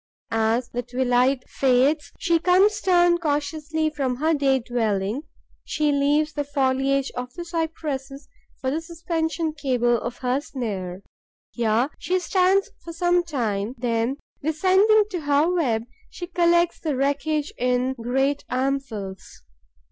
As the twilight fades, she comes down cautiously from her day dwelling; she leaves the foliage of the cypresses for the suspension cable of her snare. Here she stands for some time; then, descending to her web, she collects the wreckage in great armfuls.